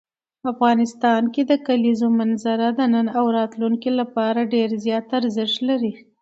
افغانستان کې د کلیزو منظره د نن او راتلونکي لپاره ډېر زیات ارزښت لري.